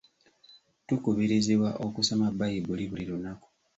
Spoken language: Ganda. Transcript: Tukubirizibwa okusoma Bbayibuli buli lunaku.